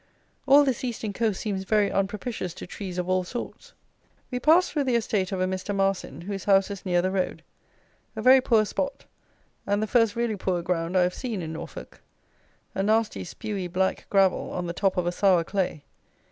All this eastern coast seems very unpropitious to trees of all sorts. We passed through the estate of a Mr. Marsin, whose house is near the road, a very poor spot, and the first really poor ground I have seen in Norfolk. A nasty spewy black gravel on the top of a sour clay.